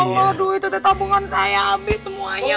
ya allah duitnya tabungan saya habis semuanya